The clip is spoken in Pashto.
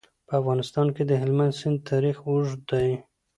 په افغانستان کې د هلمند سیند تاریخ اوږد دی.